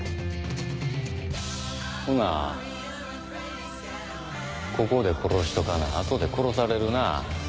ほなここで殺しとかな後で殺されるな。